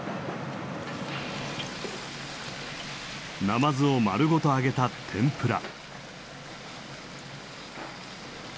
ナマズを丸ごと揚げた天ぷら。